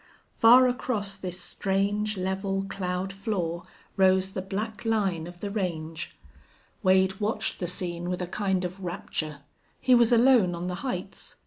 Far across this strange, level cloud floor rose the black line of the range. Wade watched the scene with a kind of rapture. He was alone on the heights.